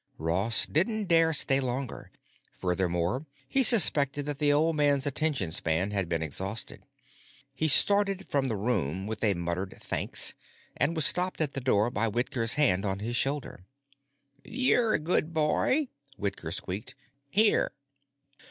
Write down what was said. Ross didn't dare stay longer. Furthermore he suspected that the old man's attention span had been exhausted. He started from the room with a muttered thanks, and was stopped at the door by Whitker's hand on his shoulder. "You're a good boy," Whitker squeaked. "Here."